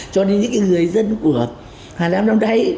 cho nên những người dân của hà nam năm nay